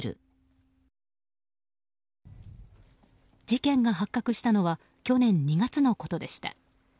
事件が発覚したのは去年２月のことでした。